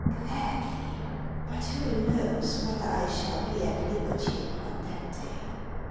" Gladly ; but who knows whether I shall be at liberty upon that day